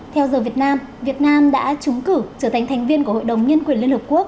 theo giờ việt nam việt nam đã trúng cử trở thành thành viên của hội đồng nhân quyền liên hợp quốc